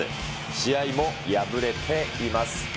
試合も敗れています。